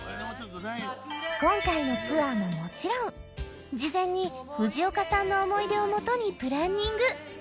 今回のツアーももちろん事前に藤岡さんの思い出をもとにプランニング！